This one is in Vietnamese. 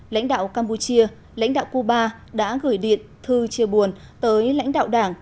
lãnh đạo campuchia lãnh đạo cuba đã gửi điện thư chia buồn tới lãnh đạo đảng